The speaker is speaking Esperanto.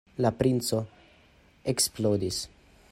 La princo eksplodis.